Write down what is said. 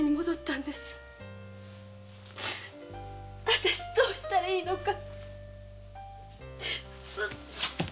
私どうしたらいいのか。